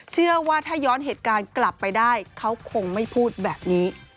เชื่อว่าถ้าย้อนเหตุการณ์กลับไปได้เขาคงไม่พูดแบบนี้